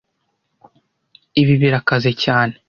Ibi birakaze cyane